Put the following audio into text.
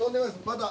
また。